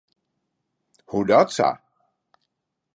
Hoedatsa?